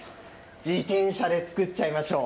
自転車で作っちゃいましょう。